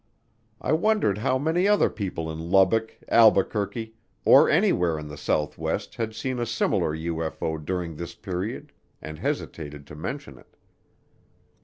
I wondered how many other people in Lubbock, Albuquerque, or anywhere in the Southwest had seen a similar UFO during this period and hesitated to mention it.